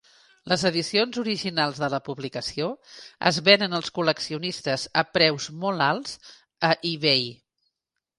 Les edicions originals de la publicació es venen als col·leccionistes a preus molt alts a eBay.